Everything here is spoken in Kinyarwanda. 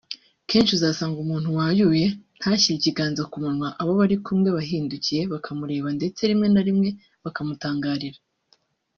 Kenshi uzasanga umuntu wayuye ntashyire ikiganza ku munwa abo bari kumwe bahindukiye bakamureba ndetse rimwe na rimwe bakamutangarira